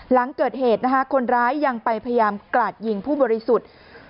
หลังเกิดเหตุนะคะคนร้ายยังไปพยายามกราดยิงผู้บริสุทธิ์